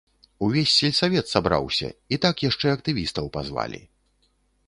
Увесь сельсавет сабраўся, і так яшчэ актывістаў пазвалі.